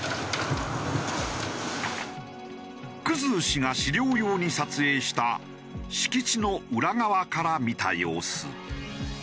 生氏が資料用に撮影した敷地の裏側から見た様子。